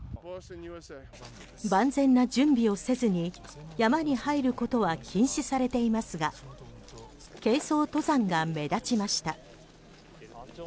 万全な準備をせずに山に入ることは禁止されていますが軽装登山が目立ちました。